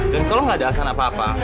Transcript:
dan kalau gak ada asan apa apa